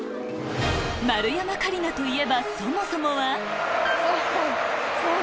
丸山桂里奈といえばそもそもはそう！